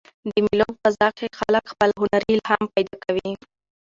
د مېلو په فضا کښي خلک خپل هنري الهام پیدا کوي.